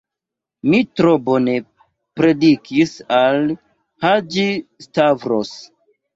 Mi tro bone predikis al Haĝi-Stavros.